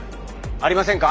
ありませんか？